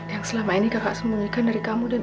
yang selama ini kakak sembunyikan dari kamu dan